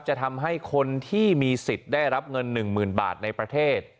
จะทำให้คนที่มีสิทธิ์ได้รับเงิน๑๐๐๐บาทในประเทศ